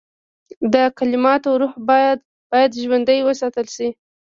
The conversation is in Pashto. د کلماتو روح باید ژوندی وساتل شي.